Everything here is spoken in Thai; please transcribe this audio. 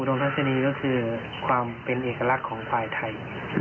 และประกันส์ผิวและอุดมทัศนีความเป็นเอกลักษณ์ของควายไทย